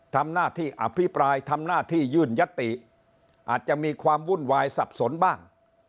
ทำหน้าที่อภิปรายทำหน้าที่ยื่นยติอาจจะมีความวุ่นวายสับสนบ้าง